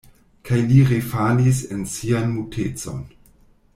Kaj li refalis en sian mutecon.